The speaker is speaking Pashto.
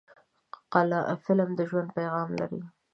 فلم د ژوند پیغام لري